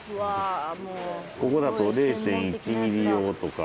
ここだと０．１ミリ用とか。